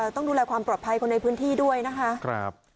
ต้องดูแลความปลอดภัยคนในพื้นที่ด้วยนะคะ